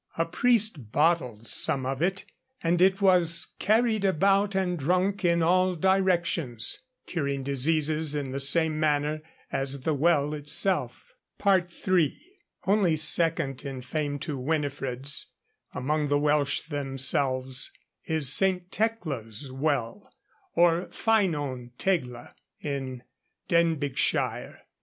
A priest bottled some of it, and it 'was carried about and drunk in all directions,' curing diseases in the same manner as the well itself. FOOTNOTE: 'Cambro British Saints,' 519. III. Only second in fame to Winifred's, among the Welsh themselves, is St. Tecla's well, or Ffynon Tegla, in Denbighshire.